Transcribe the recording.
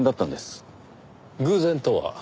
偶然とは？